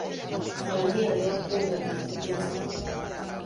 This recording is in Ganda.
Ani anaakuuma ebigezo?